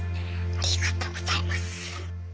ありがとうございます。